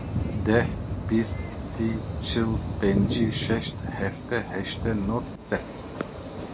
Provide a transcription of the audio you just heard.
Deh, bîst, sî, çil, pêncî, şêst, heftê, heştê, nod, sed.